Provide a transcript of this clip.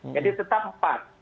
jadi tetap empat